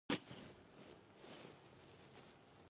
یا ووایو د هیواد د وضع بهترولو لپاره یرغل کړی دی.